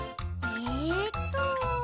えっと。